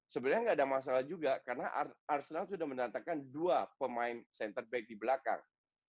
sebenarnya nggak ada masalah juga karena arsenal sudah mendatangkan dua pemain center back di belakang